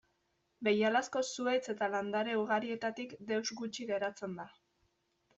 Behialako zuhaitz eta landare ugarietatik deus gutxi geratzen da.